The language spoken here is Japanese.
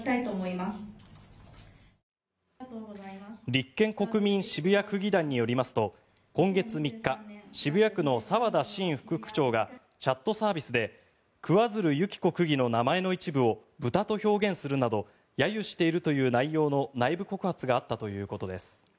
立憲・国民渋谷区議団によりますと今月３日渋谷区の澤田伸副区長がチャットサービスで桑水流弓紀子区議の名前の一部を豚と表現するなど揶揄しているという内容の内部告発があったということです。